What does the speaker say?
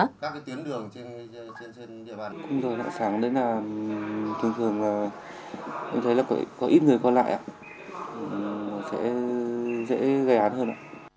các tiến đường trên địa bàn không đổi lại sáng đến là thường thường có ít người còn lại sẽ dễ gây án hơn